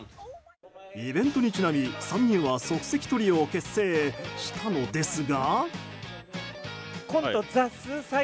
イベントにちなみ３人は即席トリオを結成したのですが。